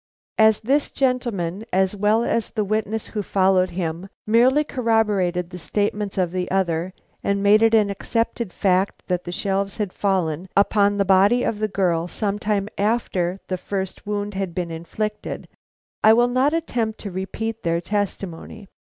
As this gentleman, as well as the witness who followed him, merely corroborated the statements of the other, and made it an accepted fact that the shelves had fallen upon the body of the girl some time after the first wound had been inflicted, I will not attempt to repeat their testimony.